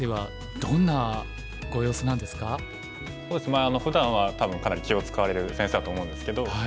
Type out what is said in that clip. まあふだんは多分かなり気を遣われる先生だと思うんですけど。